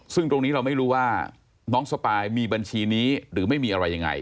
ซึ่งตรงนี้เราไม่รู้ว่าน้องสปายมีบัญชีนี้หรือไม่มีอะไรยังไง